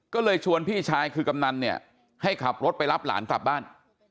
ก็เลยชวนพี่ชายคือกำนันเนี่ยให้ขับรถไปรับหลานกลับบ้าน